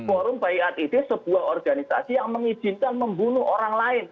forum bayi at isis sebuah organisasi yang mengizinkan membunuh orang lain